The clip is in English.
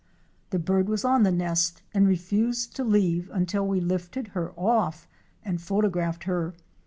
The bird was on the nest and refused to leave until we lifted her .off and photographed her.